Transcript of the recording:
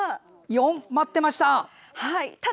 よっ待ってました！